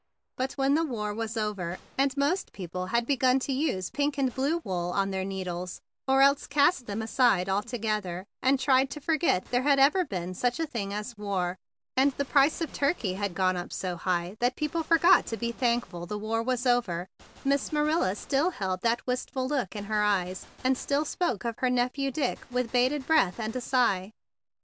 But when the war was over, and most people had begun to use pink and blue wool on their needles, or else cast them aside altogether and tried to forget there ever had been such a thing as war, and the price of turkeys had gone up so high that people forgot to be thankful the war was over, Miss Marilla still held that wistful look in her eyes, and still THE BIG BLUE SOLDIER 7 spoke of her nephew Dick with bated breath and a sigh.